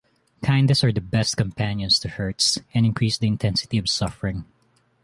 Kindnesses are the best companions to hurts, and increase the intensity of suffering.